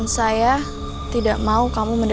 saya tak behaviorsnya